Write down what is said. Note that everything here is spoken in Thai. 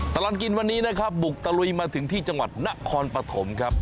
ตลอดกินวันนี้นะครับบุกตะลุยมาถึงที่จังหวัดนครปฐมครับ